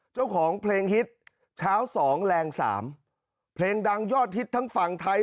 เจ้าของเพลงฮิตเช้าสองแรงสามเพลงดังยอดฮิตทั้งฝั่งไทย